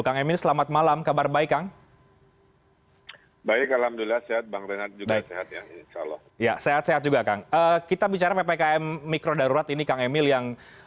kang emil selamat malam kabar baik kang emil